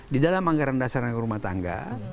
di dalam anggaran dasar anggaran rumah tangga